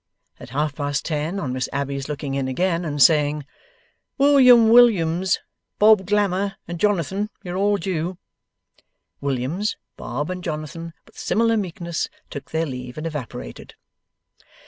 At half past ten, on Miss Abbey's looking in again, and saying, 'William Williams, Bob Glamour, and Jonathan, you are all due,' Williams, Bob, and Jonathan with similar meekness took their leave and evaporated.